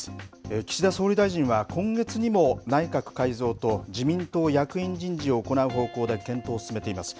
岸田総理大臣は今月にも内閣改造と自民党役員人事を行う方向で検討を進めています。